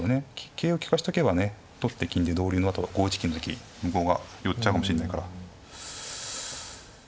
桂を利かしとけばね取って金で同竜のあとは５一金の時向こうが寄っちゃうかもしれないから。